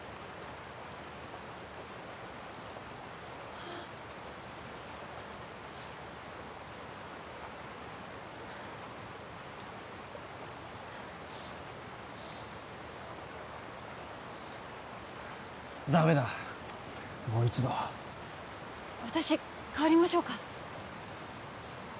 あっダメだもう一度私代わりましょうか？